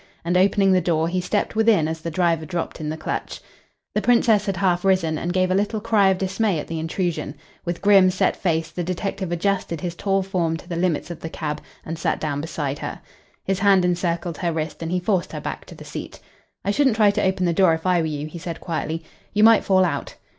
And, opening the door, he stepped within as the driver dropped in the clutch. The Princess had half risen and gave a little cry of dismay at the intrusion. With grim, set face the detective adjusted his tall form to the limits of the cab and sat down beside her. His hand encircled her wrist, and he forced her back to the seat. "I shouldn't try to open the door if I were you," he said quietly. "You might fall out."